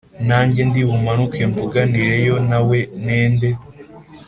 Nanjye ndi bumanuke mvuganireyo nawe nende